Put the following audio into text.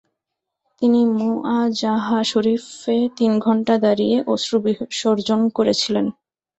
তিনি মুআজাহা শরীফে তিন ঘণ্টা দাড়িয়ে অশ্রু বিসর্জন করেছিলেন।